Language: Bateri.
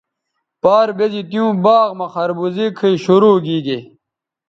پار بیزی تیوں باغ مہ خربوزے کھئ شروع گیگے